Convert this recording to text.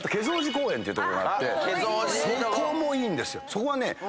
そこはね